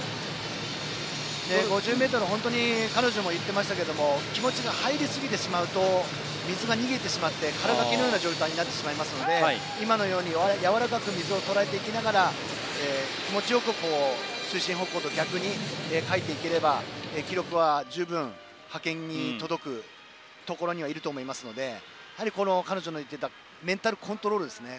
５０ｍ、彼女も言っていましたが気持ちが入りすぎてしまうと水が逃げてしまって空がきのような状態になってしまいますのでやわらかく水をとらえていきながら気持ちよく推進方向と逆にかいていければ記録は十分、派遣に届くところにはいると思いますので彼女の言っていたメンタルコントロールですね。